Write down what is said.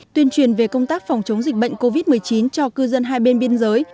tuyên truyền về công tác phòng chống dịch bệnh covid một mươi chín cho cư dân hai bên biên giới